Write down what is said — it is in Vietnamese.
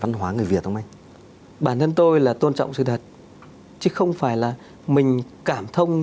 văn hóa người việt thông minh bản thân tôi là tôn trọng sự thật chứ không phải là mình cảm thông